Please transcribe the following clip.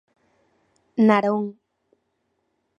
Narón.